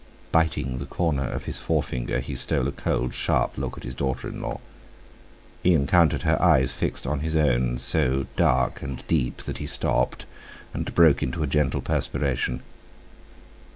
Biting the corner of his forefinger he stole a cold, sharp look at his daughter in law. He encountered her eyes fixed on his own, so dark and deep, that he stopped, and broke into a gentle perspiration.